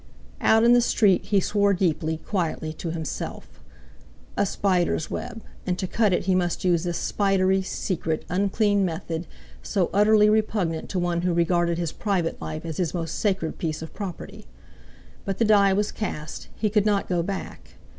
Out in the street he swore deeply, quietly, to himself. A spider's web, and to cut it he must use this spidery, secret, unclean method, so utterly repugnant to one who regarded his private life as his most sacred piece of property. But the die was cast, he could not go back.